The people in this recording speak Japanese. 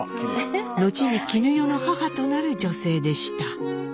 後に絹代の母となる女性でした。